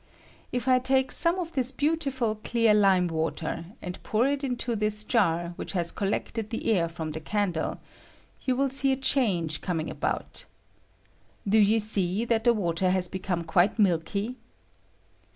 If I take some of this beautiful clear lime water, and ponr it into this jar which has collected the air from the candle, you will see a change coming about. Do you see that the water has become quite milky?